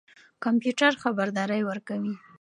کمپيوټر خبردارى ورکوي.